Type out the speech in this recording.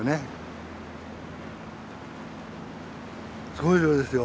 すごい量ですよ。